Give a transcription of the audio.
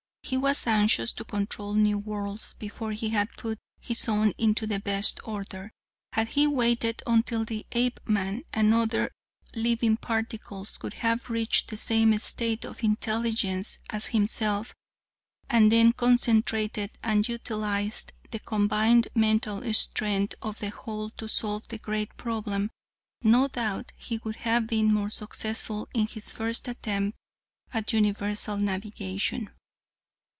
He was anxious to control new worlds before he had put his own into the best order. Had he waited until the Apeman and other living particles could have reached the same state of intelligence as himself, and then concentrated and utilized the combined mental strength of the whole to solve the great problem, no doubt he would have been more successful in his first attempt at universal navigation.